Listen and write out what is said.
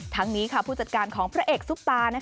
ทั้งนี้ผู้จัดการของพระเอกซุปตา